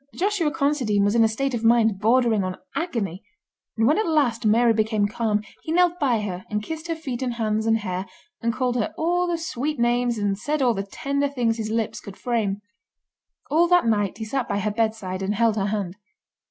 Joshua Considine was in a state of mind bordering on agony, and when at last Mary became calm he knelt by her and kissed her feet and hands and hair and called her all the sweet names and said all the tender things his lips could frame. All that night he sat by her bedside and held her hand.